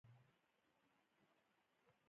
آیا فیروزه د نیشاپور ډبره نه ده؟